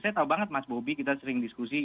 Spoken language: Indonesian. saya tahu banget mas bobi kita sering diskusi